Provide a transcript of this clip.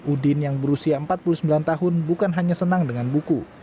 udin yang berusia empat puluh sembilan tahun bukan hanya senang dengan buku